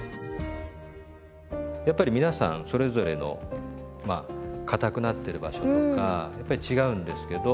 やっぱり皆さんそれぞれのまあかたくなってる場所とかやっぱり違うんですけど。